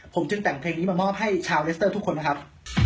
ผมจึงแต่งเพลงนี้มามอบให้ชาวเลสเตอร์ทุกคนนะครับ